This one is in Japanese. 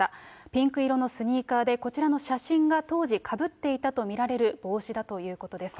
ピンク色のスニーカーで、こちらの写真が当時かぶっていたと見られる帽子だということです。